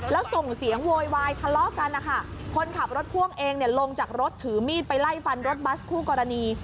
แล้วส่งเสียงโวยวายทะเลาะกันนะคะคนขับรถพ่วงเองเนี่ยลงจากรถถือมีดไปไล่ฟันรถบัสคู่กรณี